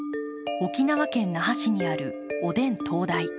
沖縄県那覇市にあるおでん東大。